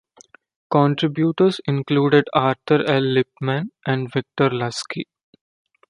Contributors included Arthur L. Lippman and Victor Lasky.